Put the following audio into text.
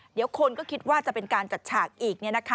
เดี๋ยวคนก็คิดว่าจะเป็นการจัดฉากอีก